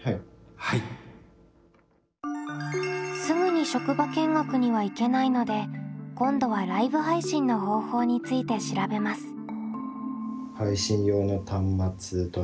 すぐに職場見学には行けないので今度はライブ配信の方法について調べます。